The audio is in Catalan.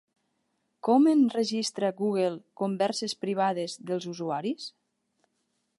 Com enregistra Google converses privades dels usuaris?